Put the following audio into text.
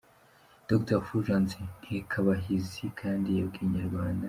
Dr Fulgence Nkekabahizi kandi, yabwiye Inyarwanda.